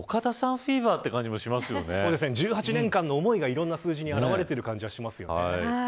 フィーバー１８年間の思いがいろいろな数字に表れている気がします。